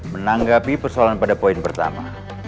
menanggapi persoalan pada poin pertama